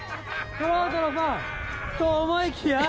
トラウトのファン、と思いきや。